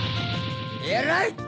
えらい！